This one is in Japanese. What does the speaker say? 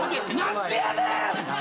何でやねん！